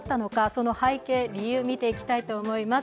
その背景、理由、見ていきたいと思います。